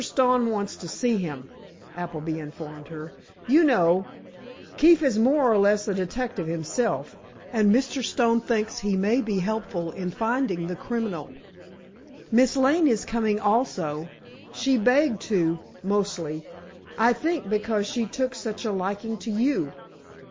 Stone wants to see him," Appleby informed her. "You know, Keefe is more or less of a detective himself, and Mr. Stone thinks he may be helpful in finding the criminal. Miss Lane is coming also, she begged to, mostly, I think, because she took such a liking to you."